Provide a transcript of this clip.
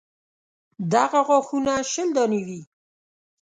دغه غاښونه شل دانې وي.